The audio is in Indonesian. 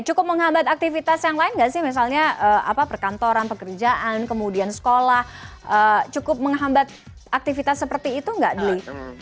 cukup menghambat aktivitas yang lain nggak sih misalnya perkantoran pekerjaan kemudian sekolah cukup menghambat aktivitas seperti itu nggak dli